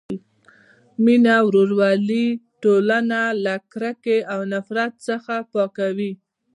مینه او ورورولي ټولنه له کرکې او نفرت څخه پاکوي.